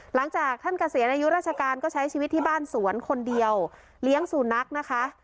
หลังจากท่านเกษียณอายุราชการก็ใช้ชีวิตที่บ้านสวนคนเดียวเลี้ยงสุนัขนะคะ